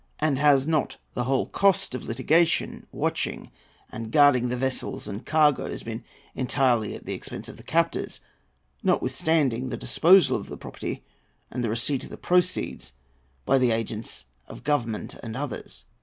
And has not the whole cost of litigation, watching and guarding the vessels and cargoes, been entirely at the expense of the captors, notwithstanding the disposal of the property and the receipt of the proceeds by the agents of Government and others?